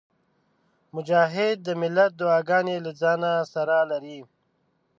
مجاهد د ملت دعاګانې له ځانه سره لري.